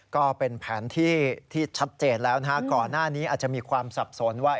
ก็เป็นแผนที่ที่ชัดเจนแล้วนะฮะก่อนหน้านี้อาจจะมีความสับสนว่า